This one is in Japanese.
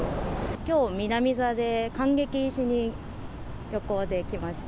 きょう、南座で観劇しに旅行で来ました。